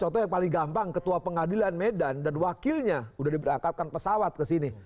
contoh yang paling gampang ketua pengadilan medan dan wakilnya sudah diberangkatkan pesawat ke sini